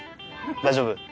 大丈夫？